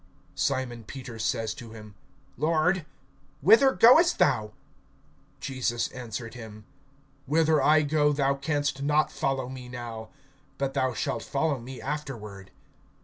(36)Simon Peter says to him: Lord, whither goest thou? Jesus answered him: Whither I go, thou canst not follow me now; but thou shalt follow me afterward.